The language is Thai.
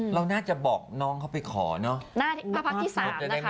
เราน่าจะบอกน้องเขาไปขอเนอะ